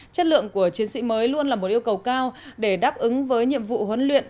chất lượng của chiến sĩ mới luôn là một yêu cầu cao để đáp ứng với nhiệm vụ huấn luyện